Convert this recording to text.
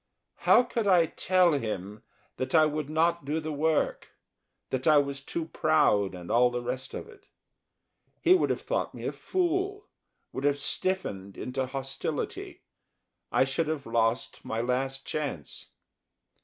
How could I tell him that I would not do the work, that I was too proud and all the rest of it? He would have thought me a fool, would have stiffened into hostility, I should have lost my last chance.